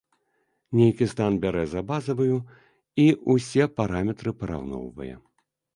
Нейкі стан бярэ за базавую, і ўсе параметры параўноўвае.